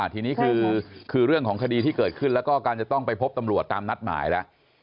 ทีนี้คือเรื่องของคดีที่เกิดขึ้นแล้วก็การจะต้องไปพบตำรวจตามนัดหมายแล้ว